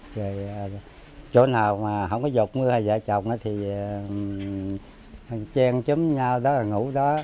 rồi chỗ nào mà không có giột mưa hay vợ chồng thì chen chấm nhau đó là ngủ đó